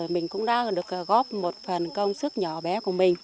mình cũng đã được góp một phần công sức nhỏ bé của mình